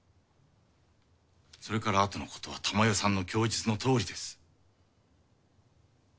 それからあとのことは珠世さんの供述のとおりです。